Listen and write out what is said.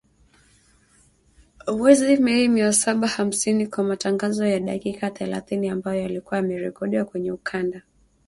Mwezi Mei mia saba hamsini kwa matangazo ya dakika thelathini ambayo yalikuwa yamerekodiwa kwenye ukanda